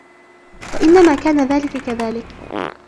وَإِنَّمَا كَانَ ذَلِكَ كَذَلِكَ